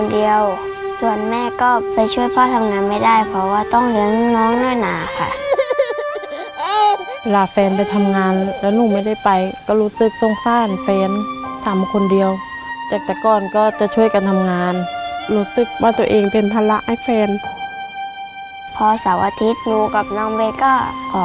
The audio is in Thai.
มีความรู้สึกว่ามีความรู้สึกว่ามีความรู้สึกว่ามีความรู้สึกว่ามีความรู้สึกว่ามีความรู้สึกว่ามีความรู้สึกว่ามีความรู้สึกว่ามีความรู้สึกว่ามีความรู้สึกว่ามีความรู้สึกว่ามีความรู้สึกว่ามีความรู้สึกว่ามีความรู้สึกว่ามีความรู้สึกว่ามีความรู้สึกว